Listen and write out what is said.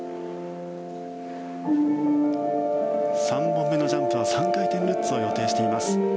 ３本目のジャンプは３回転ルッツを予定しています。